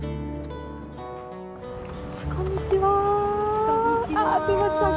こんにちは。